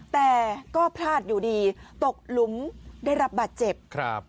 แต่ก็พลาดอยู่ดีตกหลุมได้รับบาดเจ็บครับ